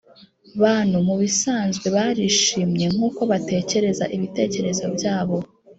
bantu mubisanzwe barishimye nkuko batekereza ibitekerezo byabo.